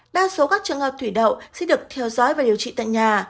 đa số các trường hợp thủy đậu sẽ được theo dõi và điều trị tại nhà